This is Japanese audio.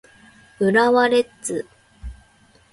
浦和レッズ